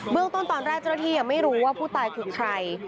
เรื่องต้นตอนแรกเจ้าหน้าที่ยังไม่รู้ว่าผู้ตายคือใคร